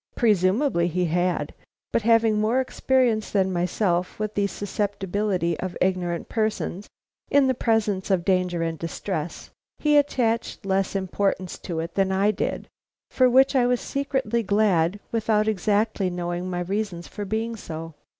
Presumably he had, but having more experience than myself with the susceptibility of ignorant persons in the presence of danger and distress, he attached less importance to it than I did, for which I was secretly glad, without exactly knowing my reasons for being so.